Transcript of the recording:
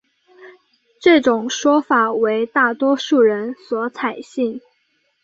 这种说法为大多数人所采信。